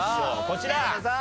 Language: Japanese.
こちら。